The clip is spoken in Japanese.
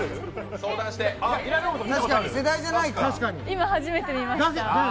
今初めて見ました。